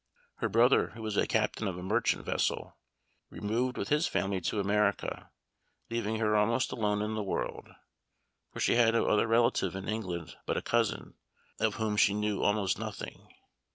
Her brother, who was a captain of a merchant vessel, removed with his family to America, leaving her almost alone in the world, for she had no other relative in England but a cousin, of whom she knew almost nothing.